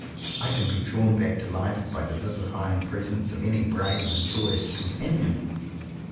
I can be drawn back to life by the vivifying presence of any brave and joyous companion.